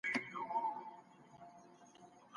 نن خو دې د سترګو پښتنو خبرې نورې دي